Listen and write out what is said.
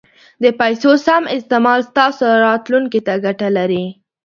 د پیسو سم استعمال ستاسو راتلونکي ته ګټه لري.